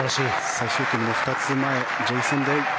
最終組の２つ前ジェイソン・デイ。